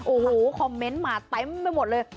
โอ้โหคอมเมนต์มาเต็มไปหมดเลย